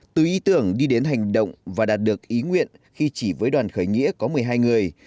từ ý tưởng đi đến hành động và đạt được ý nguyện khi chỉ với đoàn khởi nghĩa có một mươi hai người